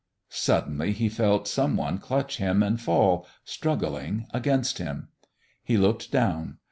Suddenly he felt some one clutch him and fall, struggling, against him. He looked down.